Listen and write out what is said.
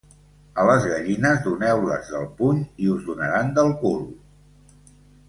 A les gallines, doneu-les del puny i us donaran del cul.